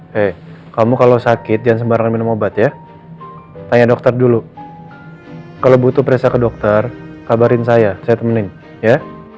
hei kamu kalau sakit jangan sembarangan minum obat ya tanya dokter dulu kalau butuh periksa ke dokter kabarin saya saya temenin ya